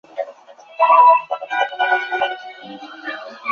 祖父梁子恭。